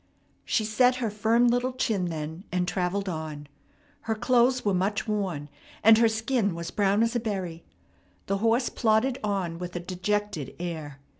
She set her firm little chin then, and travelled on. Her clothes were much worn, and her skin was brown as a berry. The horse plodded on with a dejected air.